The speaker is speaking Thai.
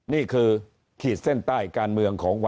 นี่คือขีดเส้นใต้การเมืองของ